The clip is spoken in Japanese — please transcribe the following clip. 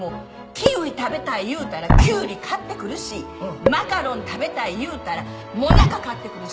キウイ食べたい言うたらキュウリ買ってくるしマカロン食べたい言うたらもなか買ってくるし。